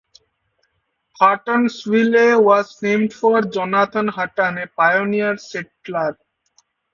Huttonsville was named for Jonathan Hutton, a pioneer settler.